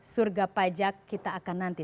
surga pajak kita akan nanti